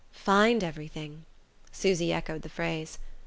"Find everything?" Susy echoed the phrase.